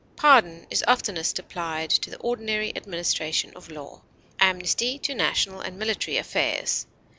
Pardon is oftenest applied to the ordinary administration of law; amnesty, to national and military affairs.